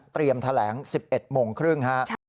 เตรียมแถลง๑๑โมงครึ่งค่ะ